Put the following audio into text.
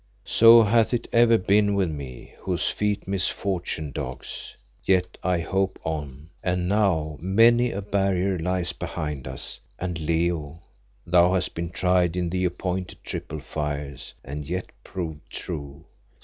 "So hath it ever been with me, whose feet misfortune dogs. Yet I hope on, and now many a barrier lies behind us; and Leo, thou hast been tried in the appointed, triple fires and yet proved true.